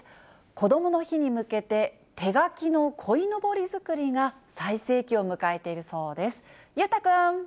こどもの日に向けて、手描きのこいのぼり作りが最盛期を迎えているそうです。